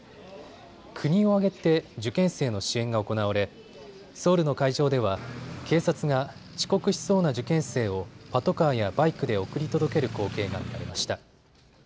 国を挙げて受験生の支援が行われソウルの会場では警察が遅刻しそうな受験生をパトカーやバイクで送り届ける光景が見られました。